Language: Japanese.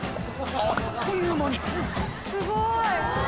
・あっという間にすごい。